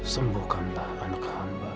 sembuhkan tahan kambah